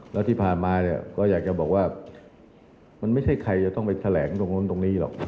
แล้วที่ผ่านมาเนี่ยก็อยากจะบอกว่ามันไม่ใช่ใครจะต้องไปแถลงตรงนู้นตรงนี้หรอก